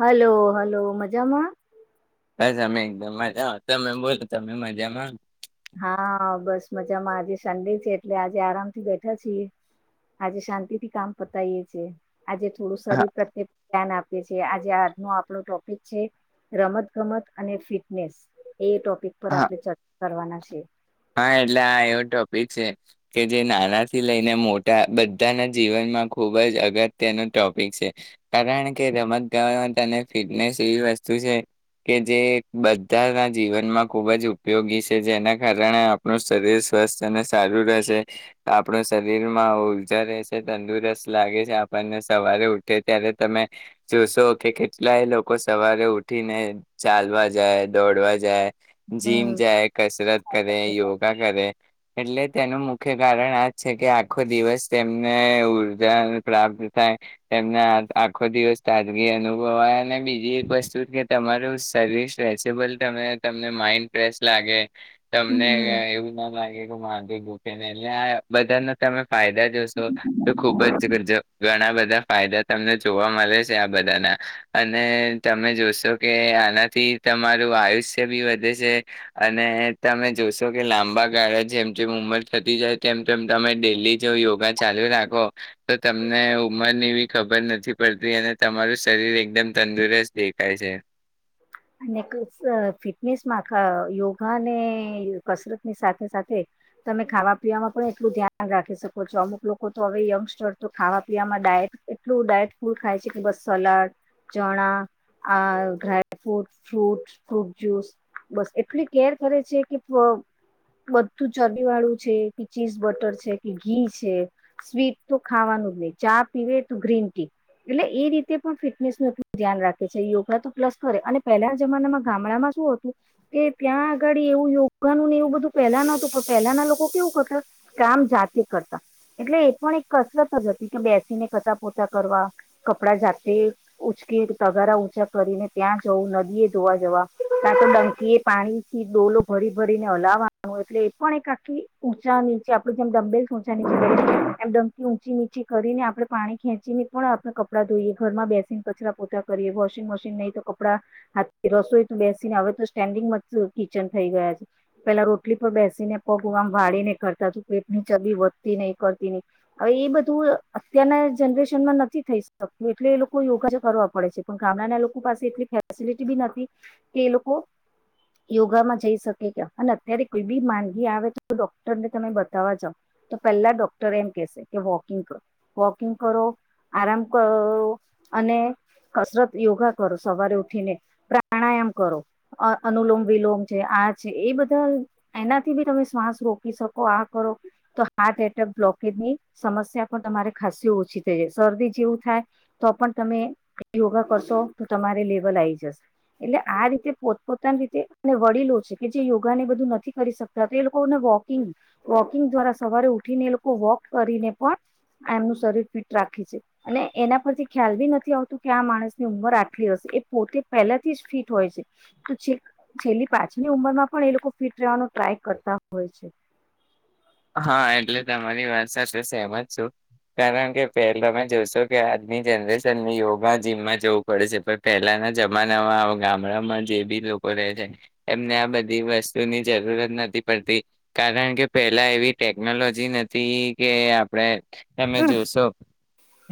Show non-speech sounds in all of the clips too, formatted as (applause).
Hello hello. મજામાં? બસ અમે એકદમ મજા. તમે બોલો તમે મજામાં? હા બસ. મજામાં. આજે સંન્ડે છે. એટલે આજે આરામથી બેઠા છીએ. આજે શાંતિથી કામ પતાયે છે. આજે થોડું હા શરીર પ્રત્યે ધ્યાન આપ. આજે આજનો આપણો ટોપિક છે. રમત ગમત અને ફિટનેસ. એ ટોપિક પર આપડણે ચર્ચા. કરવાના છે. હા એટલે આ એવો ટોપિક છે. કે જે નાનાથી લઈને મોટા બધાના જીવનમાં ખુબ જ અગત્યનો ટોપિક છે. કારણ કે રમત ગમતમાં તને ફિટનેસ એવી વસ્તુ છે. કે જે બધાના જીવનમાં ખુબ જ ઉપયોગી છે. જેના કારણે કારણે આપણું શરીર સ્વસ્થ અને સારું રહેશે. આપણું શરીર માં ઉર્જા રહેશે તંદુરસ્ત લાગે છે. આપણને સવારે ઉઠે ત્યારે તમે જોશો કે કેટલાય લોકો સવારે ઉઠીને ચાલવા જાય દોડવા જાય. જીમ હમ જાય. કસરત. કરે યોગા કરે. એટલે તેનું મુખ્ય કારણ આ જ છે કે આખો દિવસ તેમને ઉર્જા પ્રાપ્ત થાય. તેમને આખો દિવસ તાજગી અનુભવાય. અને બીજી એક વસ્તુ કે તમારું શરીર સ્ટેચેબલ થાય. તમને માઈન્ડ ફેશ લાગે. તમને હમ એવું ના લાગે? ગ ભૂકેને એટલે આ બધાના તમે ફાયદા જોશો. તો ખુબ જ ઘણા બધા ફાયદા તમને જોવા મળે છે. આ બધાના અને તમે જોશો કે આનાથી તમારું આયુષ્ય બી વધે છે. અને તમે જોશો કે લાંબા ગાળા જેમ જેમ ઉંમર થતી જાય તેમ તેમ તમે ડેલી જો યોગા ચાલુ રાખો. તો તમને ઉંમરની બ ખબર નથી પડતી. અને તમારું શરીર એકદમ તંદુરસ્ત દેખાય છે. અને ફિટનેસમાં યોગા ને કસરત ની સાથે સાથે તમે ખાવા પીવામાં પણ એટલું ધ્યાન રાખી શકો છો. અમુક લોકો તો હવે યંગસ્ટર તો ખાવા પીવાવામાં ડાયટ એટલું ડાયટ ફૂલ ખાય છે. કે બસ સલાડ, ચણા આ ફ્રૂટ ફ્રૂટ જ્યુસ બસ એટલી કેર કરે છે. કે બધું ચરબી વાળું છે કે ચીઝ બટર છે, કે ઘી છે સ્વીટ તો ખાવાનું જ નહીિ. ચા પીવે તો ગ્રીન ટી એટલે એ રીતે પણ ફિટનેસ ન એટલું ધ્યાન રાખે છે. યોગા તો પ્લસ કરે અને પહેલાના જમાનામાં ગામડામાં શું હતું? કે ત્યાં આગડી એવું યોગાનું ને એવું બધું પહેલા ન હતું. પણ પહેલાના લોકો કેવું કરતા કામ જાતે કરતા એટલે એ પણ એક કસરત જ હતી. કે બેસીને ખતા પોોતા કરવા કપડા જાતે ઉચકે તગારા ંચા કરીને. ત્યાં જવું નદીએ ધોવા જવા ના તો ડંકી એ પાણીથી ડોલો ભરી ભરીને હલાવવાનું એટલે એ પણ એક આખી ઊંચા નીચે આપડે જેમ ડંબેલચા નીચે એમ ડંકી ઊંચી નીચી કરીને આપડણે પાણી ખેંચી ને પણ આપણે કપડાં ધઈએ ઘરમાં બેસીને કચરા પોતાં કરીએ વોશિંગ મશીન નહી તો ા રસોઈ બેસીને હવે તો સ્ટેન્ડિંગ જ કિચન થઈ ગયા છે. પેલા રોટલી પર બેસીને પગ આમ વાળી નને કરતા તું પેટની ચબી વધતી નહ કરતી નહીિ. હવે એ બધું અત્યારના જનરેશનમાં નથી થઈ શકતું. એટલે એ લોકો યોગા કરવા પડે છે. પણ ગામડાના લોકો પાસે એટ ફેસિલિટી બી નથી. કે એ લોકો યોગામાં જઈ શકે કે. અને અત્યારે કોઈ બી માંનગી આવે તો ડોક્ટરને તમે બતાવવા જાાવ તો પહેલા ડોક્ટર એમ કેશે. કે વોકિંગ કરો, વોકિંગ કરો, આરામ કરો અને કસરત યોગા કરો સવારે ઉઠીને પ્રાણાયામ કરો અનુલોમ વિલોમ છે આ છે એ બધા એનાથી બી તમે શ્વાસ રોકી શકો આ કરો તો હાર્ટ એટેક બ્લોકેજની સમસ્યા પણ તમારે ખાસી ઓછી થઈ જ શરદી જેવું થાય તો પણ તમે યોગા કરશો તો તમારે લેવલ આવી જશે. એટલે આ રીતે પોતપોતાની રીતે વડીલો છે. કે જે યોગાને બધું નથી કરી શકતા એ લોકોને વોકિંગ વોકિંગ દ્વારા સવારે ઉઠીને એ લોકો વોક કરીને પણ એમનું શરીર ફિટ રાખે છે. અને એના પરથી ખ્યાલ બી નથી આવતું કે આ માણસની ઉંમર આ. હ એ પોતે પહેલાથી જ ફિટ હોય છે. તો છેલ્લી પાછની ઉંમરમાં પણ એ લોકો ફિટ રહેવાનો ટ્રાય કરતા હોય છે. હા એટલે તમારી વાત સાથે સહેમજ છું. કારણ કે પહેલા તમે જોશો કે આજની જનરેશન યોગા જીમમાં જવું પડે છે. પણ પહેલાના જમાનામાં ગામડામાં જે બી લોકો રહે છે. એમને આ બધી વસ્તુની જરૂરત નથી પડતી. કારણ કે પ એટલા એવી ટેકનોલોજી નથી કે આપડે. એમે હમ. જોસપ.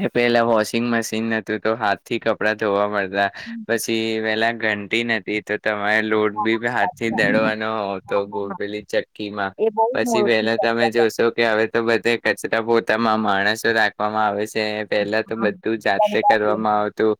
એ પેલા વોશિંગ મશીન હતું તો, હાથ થી કપડાં ધોવા મળતા. (unintelligible) ટી નથી ત તમારે લોટ બી હાથ થી દડવાનો હોવ તો ગોડેલી ચક્કી માં એ બહુ પી પછી મોટી પહેલા તમે ચર્ચા છે. જોશો કે હવે તો બધે કચરા પોતામાં માણસો રાખવામાં આવે છે જે પહેલા તો બધું જાતે કરવામાં આવતું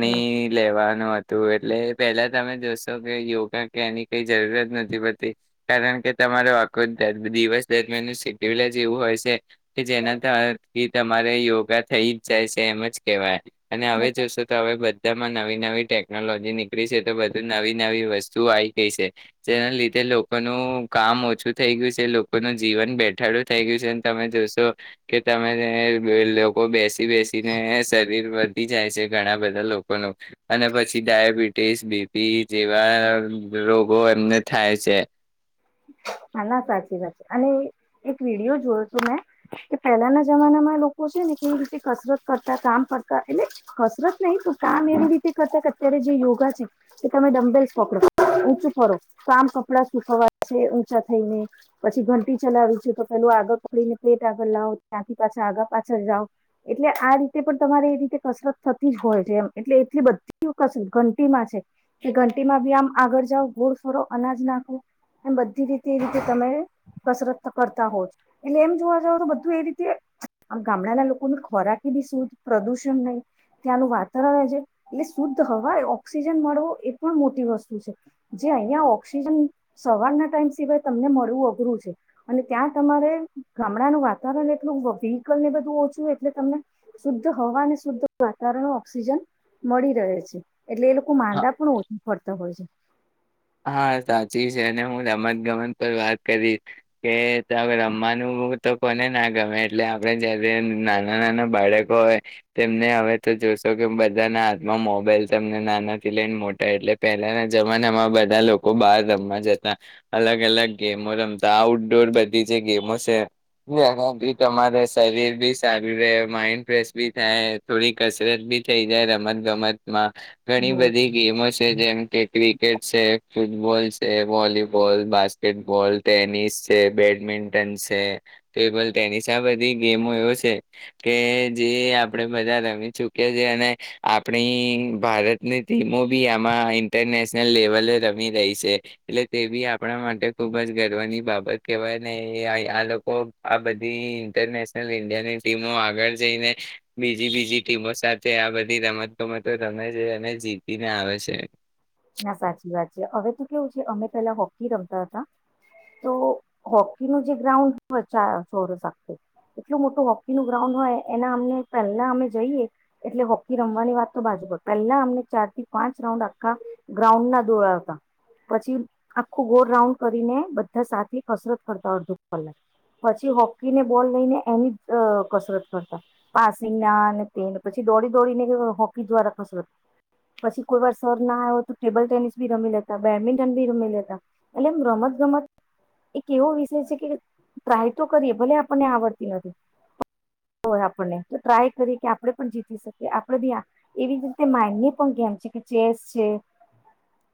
હમ. લેવાનું હતું તો એટલે પેલા તમે જોશો કે યોગા કે એની કઈ જરૂરત નથી પતી કારણ કે તમારે આખ દિવસ દરમિયાન ન સિટ્યુલ જ એવું હોય છે કે જેનાથી તમારે યોગા થઈ જ જાય છે એમજ કેવાય અને હવે જોશો તો હવે બધા બધામાં નવી નવી ટેકનોલોજી નીકળી છે તો બધું નવી નવી વસ્તુ આવી ગઈ છે જેના લીધે લોકોનું કામ ઓછું થઈ ગયું છે લોકોનું જીવન બેઠાડું થઈ ગયું છે તમે જોશો કે તમે લોકો બેસી બેસીને શરીર વધી જાય છે ઘણા બધા લોકોનું અને પછી ડયાબિટીસ બીપી જેવા રોગો એમને થાય છે નાા ના સાચી વાત છે અને એક વિડીિયો જોયો તું મેં કે પહેલાના જમાનામાં લોકો છે ને કેવી રીતે કસરત કરતા કામ કરતા એટલે કસરત નહિ તો કામ એવી રીતે કરતા કે અત્યારે જે યોગા છે તે તમે ડંબેલ પકડો ચું ફરો તો આામ કપડા સુખવા ઊંચા થઈને પછી ઘંટી ચલાવી છેું તો પેલું આગળ તોડીને પ્લેટ આગળ લાવો ત્યાંથી પાછા આગળ પાછળ જાઓ એટલે આ રીતે પણ તમારે એ રીતે કસરત થતી જ હોય છે એમ એટલે એટલી બધી કસરત ઘંટીમાં છે કે ઘંટી માં બી આમ આગળ જાાવ ઘોડ ફરો અનાજ નાખો એમ બધી રીતે એ રીતે તમે કસરત કરતા હોજ એટલે એમ જોવા જાવ તો બધું એ રીતે આ ગામડાના લોકોની ખોરાકી બી શુદ્ધ પ્રદુષણ નહી ત્યાંનું વાતાવરણ છે એટલે શુદ્ધ હવા એ ઓક્સિજન મળવો એ પણ મોટી વસ્તુ છે જે અહિયાં ઓક્સિજન સવારના ટાઈમ સિવાય તમને મળવું અઘરું છે અને ત્યાં તમારે ગામડાનું વાતાવરણ એટલું વ્હીકલને બધું ઓછું એટલે તમને શુદ્ધ હવા શુદ્ધ વાતાવરણ ઓક્સિજન મળી રહે છે એટલે એ લોકો માંદા પણ ઓછું ફરતા હોય છે હા સાચી છે અને હું રમત ગમત પર વાત કરીશ કે ત રમવાનું તો કોને ના ગમે એટલે આપડણે જયારે નાના નાના બાળકો હોય તેમને હવે તો જોશો કે બધાના હાથમાં મોબાઈલ તમને નાના થી લઈને મોટા એટલે પહેલાના જમાનામાં બા બધા લોકો બહાર રમવા જતા અલગ અલગ ગેમો રમતા આઉટડોર બધી જે ગેમો છે જેમાં બી તમારે શરીર બી સારું રહે માઈન્ડ ફ્રેશ બી થાય થોડી કસરત બી થઈ જાય રમત ગમતમાં ઘણી હા બધી ગેમો છે જેમ કે ક્રિકેટ છે ફૂટબોલ છે વોલીબોલ બાસ્કેટબોલ ટેનિસ છે બેડમિન્ટન છે તો એલ ટેનિસ આ બધી ગેમો એવો છે કે જે આપણે બધા રમી ચુકી્યા છેીએ અને આપણી ભારતની ટીમો બી આમાં ઇન્ટરનેશનલ લેવલે રમી રમી રહી છે એટલે તે બી આપણા માટે ખુબ જ ગર્વની બાબત કેવાય ને આ લોકો આ બધી ઇન્ટરનેશનલ ઇન્ડિયાની ટીમો આગળ જઈને બીજી બીજી ટીમો સાથે આ બધી રમત ગમતો રમે છે અને જીતીને આવે છે ના સાચી વાત છે હવે ત કેવું છે અમે પેલા હોકી રમતા હતા તો હોકીનું જે ગ્રાઉન્ડ સોરસ એટલું મોટું હોકી નું ગ્રાઉન્ડ હોય એના અમને પહેલા અમે જઈએ એટલે હોકી રમવાની વાત તો બાજુ પર પહેલા અમને ચાર થી પાંચ રાઉન્ડ આખા ગ્રાઉન્ડ ના દોડાવતા પછી આખું ગોળ રાઉન્ડ કરીને બધા સાથે કસરત કરતા અડધો કલાક પછી હોકીને બોલ લઈને એની કસરત કરતા પાસિંગ ના તેને પછી દોડી દોડીને હોકી દ્વારા કસરત પછી કોઈ વાર સર ના આવ ટેબલ ટેનિસ ભી રમી લેતા બેડમિન્ટન ભી રમી લેતા એટલે એમ રમત ગમત એક એવો વિષય છે કે ટ્રાય તો કરીએ ભલે આપણને આવડતી નથી આપણને તો ટ્રાય કરીએ કે આપણે પણ જીતી શકીએ આપણે બી એવી જ રીતે માઇન્ડ ની પણ ગેમ છે કે ચેસ છે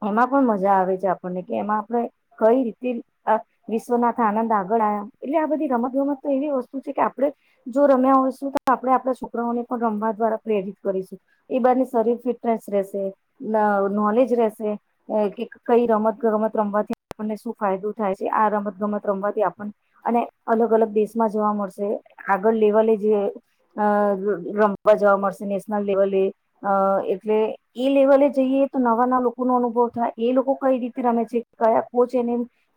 એમાં પણ મજા આવે છે આપણને કે એમાં આપણે કઈ રીતે વિશ્વનાથ આનંદ આગળ આવ્યા એટલે આ બધી રમત ગમત તો એવી વસ્તુ છે કે આપડણે જો રમ્યા હોયશું તો આપણે આપડા છોકરાઓને પણ રમવા દ્વારા પ્રેરિત કરીશું એ બારને શરીર ફિટનેસ રહેશે નોલેજ રહેશે કે કઈ રમત ગમત રમવાથી આપણને શું ફાયદો થાય છે આ રમતગમત રમવાથી આપને અને અલગ અલગ દેશમાં જોવા મળશે આગળ લેવલે જે રમવા જવા મળશે નેશનલ લેવલે એટલે એ લેવલે જઈએ નવા ના લોકો નો અનુભવ થાય એ લોકો કઈ રીતે રમે છે કયા કોચ એને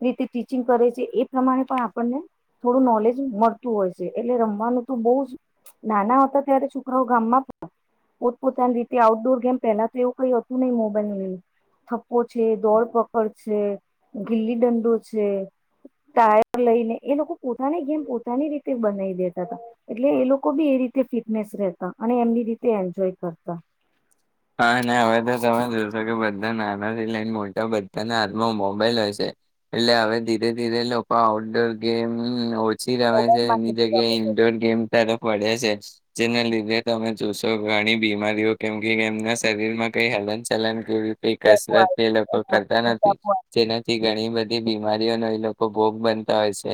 રીતે ટીચિંગ કરે છે એ પ્રમાણે પણ આપણને થોડું નોલેજ મળતું હોય છે એટલે રમવાનું તો બહુ જ નાના હતા ત્યારે છોકરાઓ ગામમાં પણ પોતપોતાની રીતે આઉટડોર ગેમ પહેલા તો એું કઈ હતું હતું નહી મોબની થપ્પો છે દોડ પકડ છે ગીલી દંડો છે ટાયર લઈને એ લોકો પોતાની ગેમ પોતાની રીતે બનાવી દેતા હતા એટલે એ લોકો બી એ રીતે ફિટનેસ રતા અને એમની રીતે એન્જોય કરતા હા હવે તો તમે જોશો કે બધા નાનાથી લઈને મોટા બધાના હાથમાં મોબાઈલ હોય છે એટલે હવે ધીરે ધીરે લોકો આઉટડોર ગેમ શી રમે છે મોબાઈલમાં જ નીજ કે ઇન્ડોર ગેમ તાર પડે છે જેના લીધે તમે જોશો ઘણી બીમારીઓ કેમ કેમ ના શરીરમાં કઈ હલન ચલન ઈ ટેપો કસરત આવે છે, એ લોકો એના કરતા નથી મોટાપો આવે છે. જેનાથી ઘણી બધી બીમારીઓનો એ લોકો ભોગ બનતા હોય છે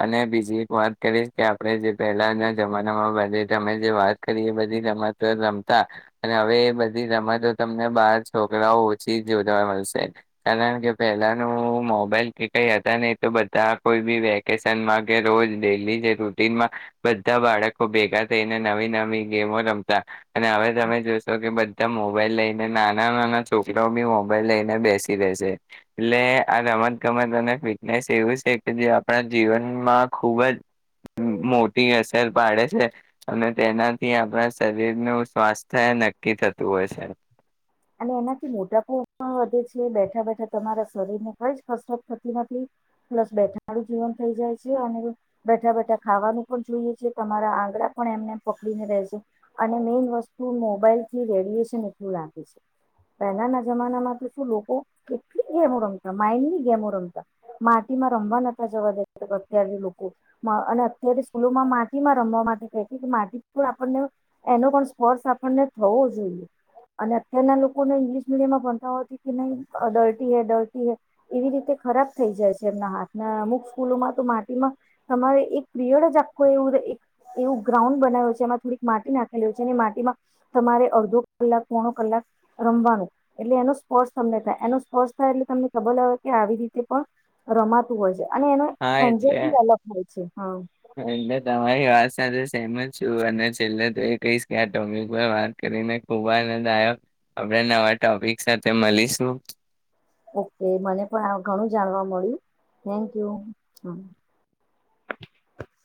અને બીજી એક વાત કરીશ કે આપણે જે પહેલાના જમાનામાં બ તમે જે વાત કરી એ બધી રમત રમતા અને હવે ર તમને બાર છોકરાઓ ઓછી જોવા મળશે કારણ કે પહેલાનું મોબાઈલ કઈ હતા ને તો બધા કોઈ બી વેકેશનમાં કે રોજ ડેલી જે રૂટીનમાં બધા બાળકો ભેગા થઈને નવી નવી ગેમો રમતા અને હવે તમે જોશો કે મોબાઈલ લઈને નાના નાના છોકરા બી મોબાઈલ લઈને બેસી રહેેશે એટલે આ રમત ગમત અને ફિટનેસ એવું છે કે જે આપણા જીવનમાં ખુબ જ મોટી અસર પાડે છે અને તેનાથી આપણા શરીરનું સ્વાસ્થ્ય નક્કી થતું ું હોય છે અને એનાથી મોટાપ પણ વધે છે બેઠા બેઠા તમારા શરીરને કઈ જ કસરત થતી નથી પ્લસ બેઠાનુંું જીવન થઈ જાય છે અને બેઠા બેઠા ખાવાનું પણ જોઈએ છે તમારા આંગડા પણ એમને પકડીને રહે છે અને મેઈન વસ્તુ મોબાઈલ થી રેડિયશન એટલું લાગે છે પહેલાના જમાનામાં તો શું લોકો કેટલી ગેમો રમતા માઇન્ડ ની ગેમો રમતા માટીમાં રમવા નતા જવા દેતા અત્યારે લોકો અને અત્યારે સ્કૂલોમાં માટીમાં રમવા માટે કતી કે માટી પણ આપણને એનો પણ સ્પર્શ આપણને થવો જોઈએ અને ત્યાંના લોકોને ઇંગ્લિશ મીડિયમમાં ભણતા હોથી કે નહીં ડરટી હૈ ડરટી હૈ એવી રીતે ખરાબ થઈ જાય છે એમના હાથના અમુક સ્કૂલોમાં તો માટીમાં તમારે એક પીરિયડ જ આખું એવું એક એવું ગ્રાઉન્ડ બનાવ્યું છે એમાં થોડીક માટી નાખેલીું છે અને માટીમાં તમારે અડધો કલાક પોણો કલાક રમવાનું એટલે એનો સ્પર્શ તમને થાય એનો સ્પર્શ થાય એટલે તમને ખબર લાવે કે આવી રીતે પણ રમાતું હોય છે અને એનો હા એન્જોય એટલે બી અલગ હોય છે હા એટલે તમારી વાત સાથે સહેમત છું અને છેલ્લે તો એ કહીશ કે આ ટોપિક પર વાત કરીને ખુબ આનંદ આવ્યો આપણે નવા ટોપિક સાથે મળીશું ઓકે મને પણ ઘણું જાણવા મળ્યું થેન્ક યુ